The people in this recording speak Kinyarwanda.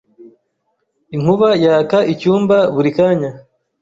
Inkuba yaka icyumba buri kanya.